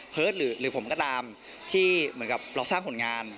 หรือผมก็ตามที่เหมือนกับเราสร้างผลงาน